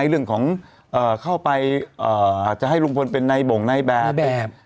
มีเรื่องของเข้าไปจะให้ลุงพลเป็นในบ่งในแบบ